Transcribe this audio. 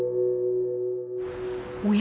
おや？